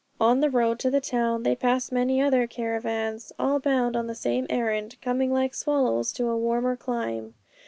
On the road to the town they passed many other caravans, all bound on the same errand, coming like swallows to a warmer clime.